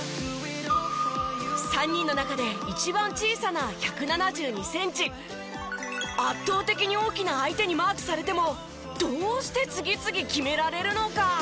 ３人の中で一番小さな圧倒的に大きな相手にマークされてもどうして次々決められるのか？